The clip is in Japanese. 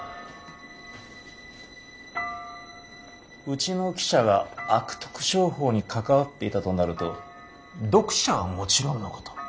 うちの記者が悪徳商法に関わっていたとなると読者はもちろんのこと